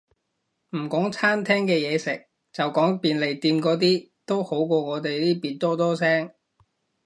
唔講餐廳嘅嘢食，就講便利店嗰啲，都好過我哋呢邊多多聲